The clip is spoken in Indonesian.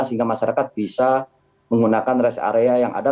sehingga masyarakat bisa menggunakan rest area yang ada